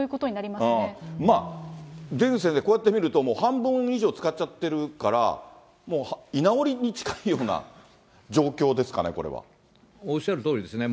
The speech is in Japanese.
まあ、出口先生、こうやって見ると、もう半分以上使っちゃってるから、もう居直りに近いようおっしゃるとおりですね。